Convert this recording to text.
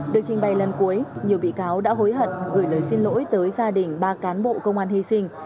được trình bày lần cuối nhiều bị cáo đã hối hận gửi lời xin lỗi tới gia đình ba cán bộ công an hy sinh